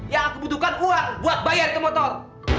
yang aku butuhkan uang buat bayar ke motor